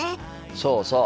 そうそう。